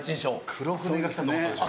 黒船が来たと思ったでしょ？